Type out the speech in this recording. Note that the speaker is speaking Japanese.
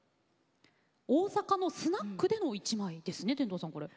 大阪のスナックでの１枚ですね。